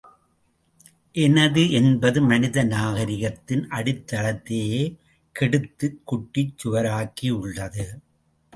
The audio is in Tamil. எனது என்பது மனித நாகரிகத்தின் அடித்தளத்தையே கெடுத்துக் குட்டிச் சுவராக்கியுள்ளது.